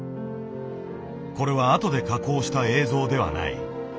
これは後で加工した映像ではない。